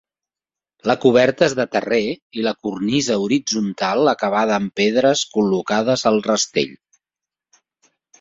La coberta és de terrer i la cornisa horitzontal acabada amb pedres col·locades al rastell.